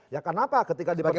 ya kenapa ketika dipertimbangkan